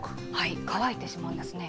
乾いてしまいますね。